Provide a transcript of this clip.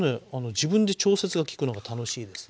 自分で調節が利くのが楽しいですね。